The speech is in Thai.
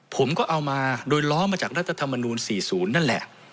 ผมก็เอามาโดยล้อมาจากรัฐธรรมนูล๔๐นั่นแหละ